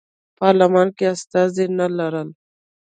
پارلمان کې استازي نه لرل.